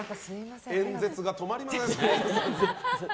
演説が止まりません。